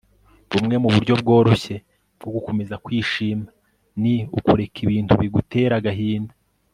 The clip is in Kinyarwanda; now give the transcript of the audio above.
bumwe mu buryo bworoshye bwo gukomeza kwishima ni ukureka ibintu bigutera agahinda